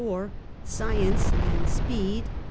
SCIENCE AND SPEED.